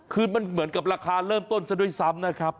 คือมันเหมือนกับราคาเริ่มต้นซะด้วยซ้ำนะครับ